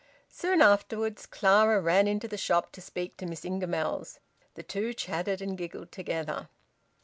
Soon afterwards Clara ran into the shop to speak to Miss Ingamells. The two chatted and giggled together.